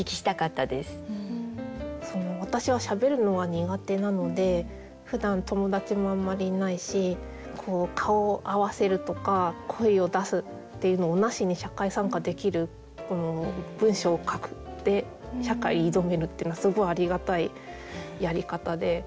私はしゃべるのは苦手なのでふだん友達もあんまりいないし「顔を合わせる」とか「声を出す」っていうのをなしに社会参加できるこの「文章を書く」で社会に挑めるっていうのはすごいありがたいやり方で。